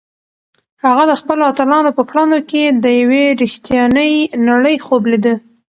هغه د خپلو اتلانو په کړنو کې د یوې رښتیانۍ نړۍ خوب لیده.